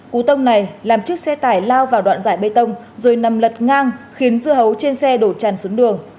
cú tông này làm chiếc xe tải lao vào đoạn giải bê tông rồi nằm lật ngang khiến dưa hấu trên xe đổ chàn xuống đường